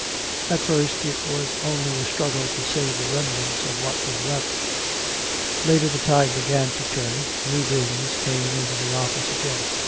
At first it was only a struggle to save the remnants of what was left. Later the tide began to turn, new business came into the office again.